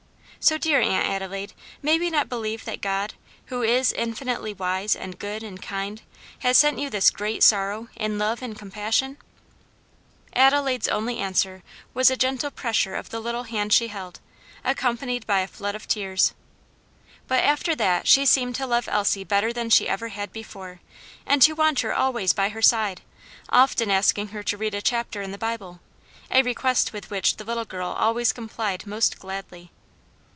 "So, dear Aunt Adelaide, may we not believe that God, who is infinitely wise, and good, and kind, has sent you this great sorrow in love and compassion?" Adelaide's only answer was a gentle pressure of the little hand she held, accompanied by a flood of tears. But after that she seemed to love Elsie better than, she ever had before, and to want her always by her side, often asking her to read a chapter in the Bible, a request with which the little girl always complied most gladly.